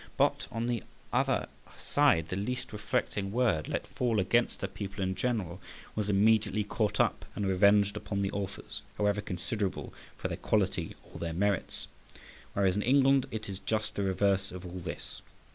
But, on the other side, the least reflecting word let fall against the people in general was immediately caught up and revenged upon the authors, however considerable for their quality or their merits; whereas in England it is just the reverse of all this.